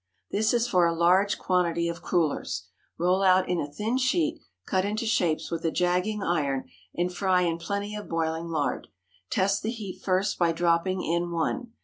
This is for a large quantity of crullers. Roll out in a thin sheet, cut into shapes with a jagging iron, and fry in plenty of boiling lard. Test the heat first by dropping in one.